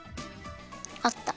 あった。